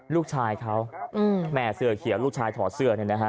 ลูกชายเขาแม่เสื้อเขียวลูกชายถอดเสื้อ